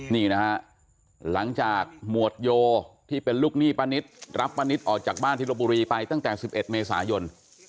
นี่นะฮะหลังจากหมวดโยที่เป็นลูกหนี้ป้านิตรับป้านิตออกจากบ้านที่ลบบุรีไปตั้งแต่๑๑เมษายน